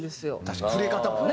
触れ方もね。